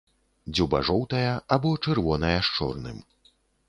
Дзюба жоўтая або чырвоная з чорным.